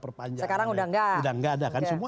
perpanjangan sekarang udah enggak udah enggak ada kan oke